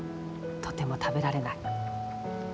とても食べられない。